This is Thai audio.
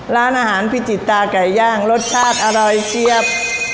ร้านอาหารพิจิตาไก่ย่างรสชาติอร่อยเชียบ